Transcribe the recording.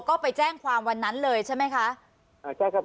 ก็ไปแจ้งความวันนั้นเลยใช่ไหมคะอ่าใช่ครับ